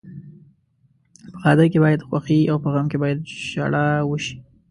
په ښادۍ کې باید خوښي او په غم کې باید ژاړا وشي.